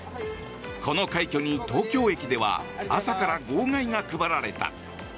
この快挙に東京駅では朝から号外が配られた。